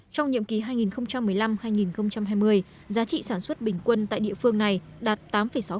trong nhiệm ký hai nghìn một mươi năm hai nghìn hai mươi giá trị sản xuất bình quân tại địa phương này đạt tám sáu